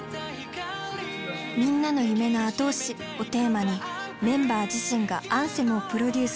「みんなの夢の後押し」をテーマにメンバー自身がアンセムをプロデュース。